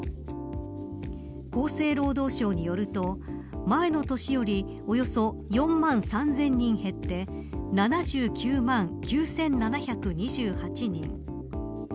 厚生労働省によると前の年よりおよそ４万３０００人減って７９万９７２８人。